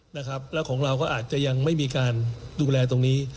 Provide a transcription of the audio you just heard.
แล้วของเราก็อาจจะยังไม่มีการดูแลตรงนี้